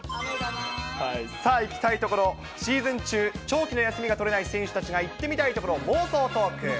さあ、行きたい所、シーズン中、長期の休みが取れない選手たちが行ってみたい所、妄想トーク。